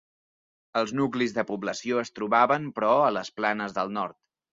Els nuclis de població es trobaven, però, a les planes del nord.